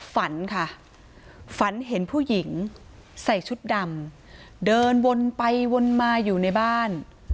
ฝันค่ะฝันเห็นผู้หญิงใส่ชุดดำเดินวนไปวนมาอยู่ในบ้าน